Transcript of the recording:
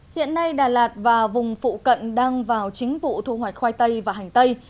hiện nay đà lạt và vùng phụ cận đang vào chính vụ thu hoạch khoai tây và hành tây